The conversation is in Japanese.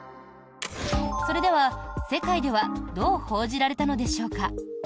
それでは、世界ではどう報じられたのでしょうか。